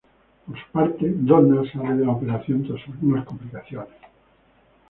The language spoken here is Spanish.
Por su parte, Donna sale de la operación tras algunas complicaciones.